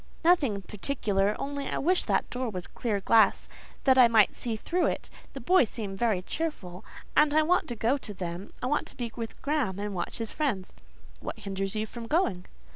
"Nothing particular; only I wish that door was clear glass—that I might see through it. The boys seem very cheerful, and I want to go to them: I want to be with Graham, and watch his friends." "What hinders you from going?"